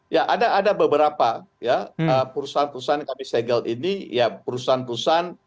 ya ada beberapa ya perusahaan perusahaan yang kami segel ini ya perusahaan perusahaan